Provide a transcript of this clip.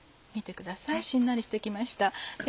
見てくださいしんなりして来ました。